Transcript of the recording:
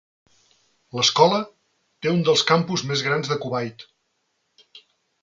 L'escola té un dels campus més grans de Kuwait.